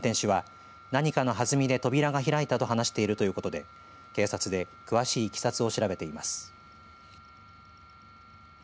運転手は、何かの弾みで扉が開いたと話しているということで警察で詳しいいきさつを調べています。